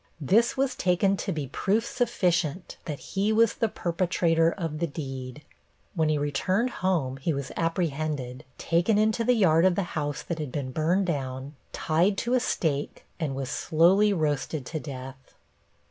This was taken to be proof sufficient that he was the perpetrator of the deed. When he returned home he was apprehended, taken into the yard of the house that had been burned down, tied to a stake, and was slowly roasted to death.